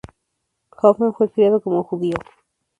Hoffman fue criado como judío.